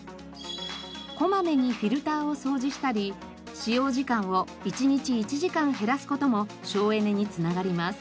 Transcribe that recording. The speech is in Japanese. こまめにフィルターを掃除したり使用時間を１日１時間減らす事も省エネに繋がります。